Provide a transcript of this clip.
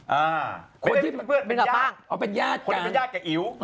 ไม่ได้เป็นเพื่อนเป็นญาติกับอิ๋ว